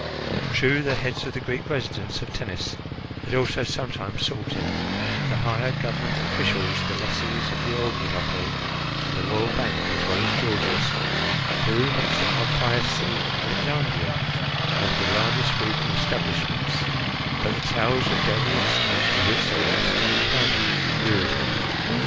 True, the heads of the Greek residents of Tennis had also sometimes sought him: the higher government officials, the lessees of the oil monopoly and the royal bank, as well as Gorgias, who, next to Archias the Alexandrian, owned the largest weaving establishments, but the tales of daily incidents with which they entertained Hermon wearied him.